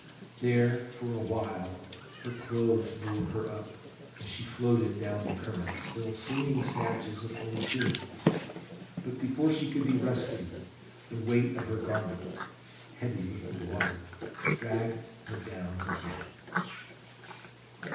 There for awhile her clothes bore her up, and she floated down the current, still singing snatches of old tunes; but before she could be rescued, the weight of her garments, heavy with the water, dragged her down to death.